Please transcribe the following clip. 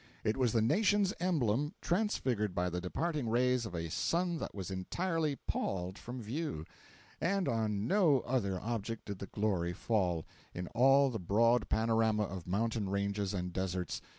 It was the nation's emblem transfigured by the departing rays of a sun that was entirely palled from view; and on no other object did the glory fall, in all the broad panorama of mountain ranges and deserts.